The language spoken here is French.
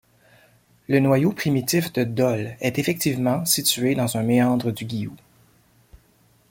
Le noyau primitif de Dol est effectivement situé dans un méandre du Guioult.